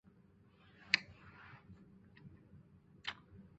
世界上所有气候地区的海洋都有鹱形目的鸟。